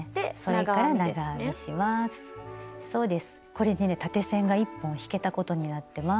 これでね縦線が１本引けたことになってます。